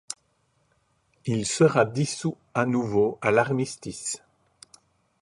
Il sera dissous à nouveau à l'armistice.